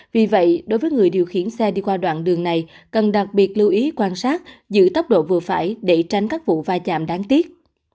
vì vậy đối với người điều khiển xe đi qua đoạn đường này cần đặc biệt lưu ý quan sát giữ tốc độ vừa phải để tránh các vụ va chạm đáng tiếc